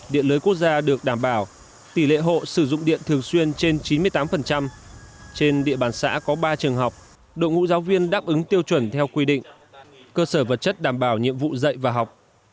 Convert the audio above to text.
điện lưới quốc gia được đảm bảo tỷ lệ hộ sử dụng điện thường xuyên trên chín mươi tám trên địa bàn xã có ba trường học đội ngũ giáo viên đáp ứng tiêu chuẩn theo quy định cơ sở vật chất đảm bảo nhiệm vụ dạy và học